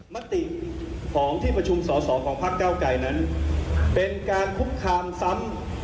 มติของที่ประชุมสอสอของพักเก้าไกรนั้นเป็นการคุกคามซ้ำ